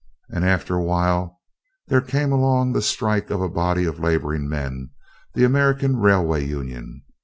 And after awhile there came along the strike of a body of laboring men, the American Railway Union.